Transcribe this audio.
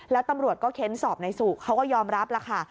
แล้วตำรวจก็เค้นสอบนายสุเขาก็ยอมรับแล้วค่ะ